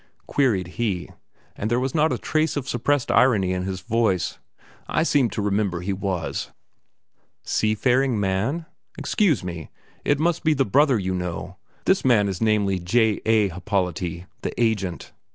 queried he, and there was not a trace of suppressed irony in his voice; "I seem to remember he was." "Sea faring man? Excuse me, it must be the brother you know; this man is namely J. A. Happolati, the agent."